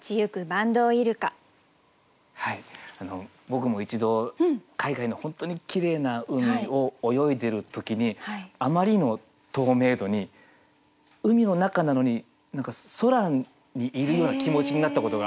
僕も一度海外の本当にきれいな海を泳いでる時にあまりの透明度に海の中なのに何か空にいるような気持ちになったことがあるんですね。